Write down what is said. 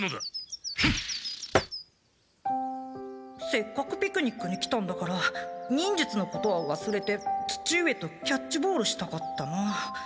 せっかくピクニックに来たんだから忍術のことはわすれて父上とキャッチボールしたかったな。